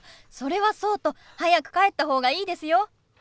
それはそうと早く帰った方がいいですよ！